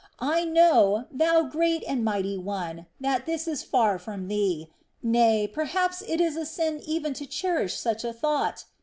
I know, Thou great and mighty One, that this is far from Thee, nay, perhaps it is a sin even to cherish such a thought.